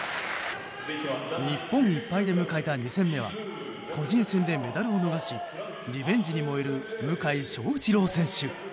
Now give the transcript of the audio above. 日本１敗で迎えた２戦目は個人戦でメダルを逃しリベンジに燃える向翔一郎選手。